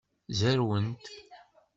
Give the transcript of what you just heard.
Zerwent.